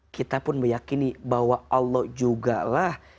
kita pun meyakini bahwa allah juga lah